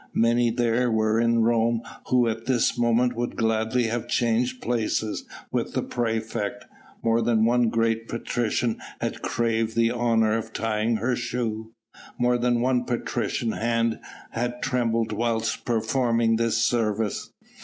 Many there were in Rome who at this moment would gladly have changed places with the praefect. More than one great patrician had craved the honour of tying her shoe, more than one patrician hand had trembled whilst performing this service.